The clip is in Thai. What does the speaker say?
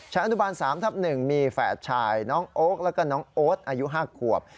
อนุบาล๓ทับ๑มีแฝดชายน้องโอ๊คแล้วก็น้องโอ๊ตอายุ๕ขวบ